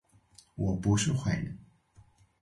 我不是坏人